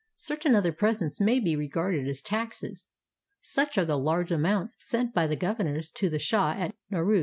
Certain other presents maybe regarded as taxes. Such are the large amounts sent by the governors to the shah at Noruz.